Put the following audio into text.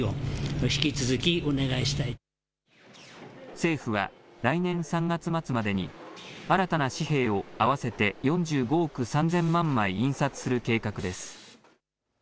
政府は、来年３月末までに、新たな紙幣を合わせて４５億３０００万枚印刷する計画です。